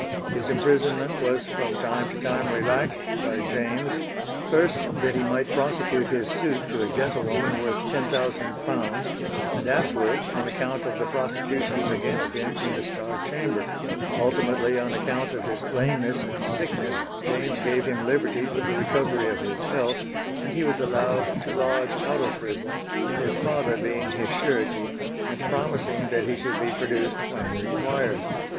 His imprisonment was from time to time relaxed by James: first that he might prosecute his suit to a gentlewoman worth £10,000; and afterwards on account of the prosecutions against him in the Star Chamber; ultimately on account of his lameness and sickness James gave him liberty for the recovery of his health, and he was allowed to lodge out of prison, his father being his surety, and promising that he should be produced when required.